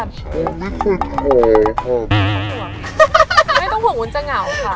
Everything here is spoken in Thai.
ไม่ต้องห่วงวุ้นไม่ต้องห่วงวุ้นจะเหงาค่ะ